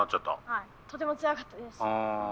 はいとてもつらかったです。